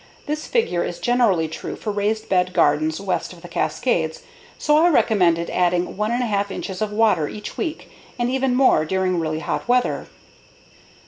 This figure is generally true for raised bed gardens west of the Cascades, so I recommended adding 1 1/2 inches of water each week and even more during really hot weather.